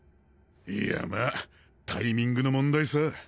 いやまァタイミングの問題さぁ。